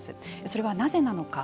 それはなぜなのか。